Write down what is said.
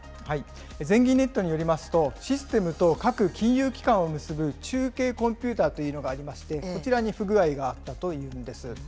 全銀ネットによりますと、システムと各金融機関を結ぶ中継コンピューターというのがありまして、こちらに不具合があったというんです。